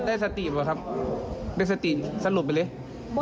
แต่ว่าก็รู้เรื่อง